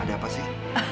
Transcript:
ada apa sih